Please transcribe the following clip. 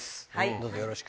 どうぞよろしく。